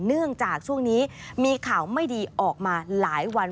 เนื่องจากช่วงนี้มีข่าวไม่ดีออกมาหลายวัน